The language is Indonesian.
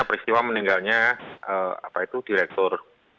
peristiwa meninggalnya apa itu direktur